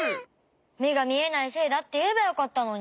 めがみえないせいだっていえばよかったのに。